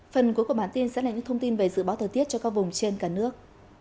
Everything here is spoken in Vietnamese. phần cuối của bản tin sẽ là những thông tin về dự báo thời tiết cho các vùng trên cả nước